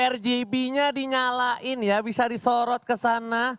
rgb nya dinyalain ya bisa disorot ke sana